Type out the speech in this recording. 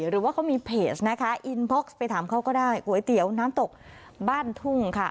หรือว่าเขามีเพจนะคะอินบ็อกซ์ไปถามเขาก็ได้ก๋วยเตี๋ยวน้ำตกบ้านทุ่งค่ะ